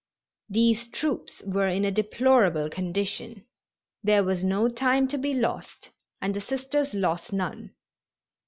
These troops were in a deplorable condition. There was no time to be lost and the Sisters lost none.